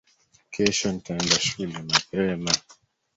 Kesho ntaenda shule mapema